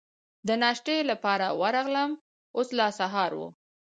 د ناشتې لپاره ورغلم، اوس لا سهار و.